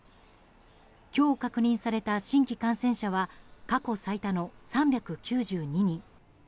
今日確認された新規感染者は過去最多の３９２人。